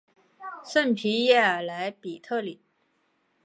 圣皮耶尔莱比特里。